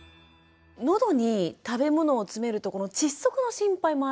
喉に食べ物を詰めると窒息の心配もありますよね。